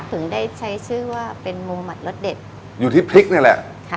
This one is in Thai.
ถึงได้ใช้ชื่อว่าเป็นมุมหมัดรสเด็ดอยู่ที่พริกนี่แหละค่ะ